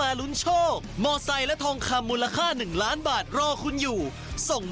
อาจจะโชคดีเหมือนกับผมก็ได้ครับ